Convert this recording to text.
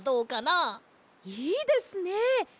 いいですね！